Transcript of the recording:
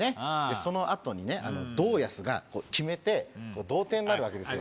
そのあとに堂安が決めて同点になるわけですよ